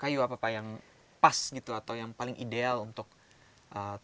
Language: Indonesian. kayu apa pak yang pas gitu atau yang paling ideal untuk tanaman anggrek di bumbung